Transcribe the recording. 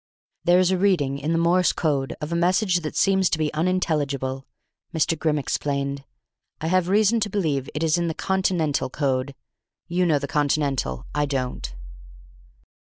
"There is a reading, in the Morse code, of a message that seems to be unintelligible," Mr. Grimm explained. "I have reason to believe it is in the Continental code. You know the Continental I don't."